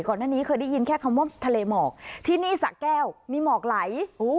ก่อนหน้านี้เคยได้ยินแค่คำว่าทะเลหมอกที่นี่สะแก้วมีหมอกไหล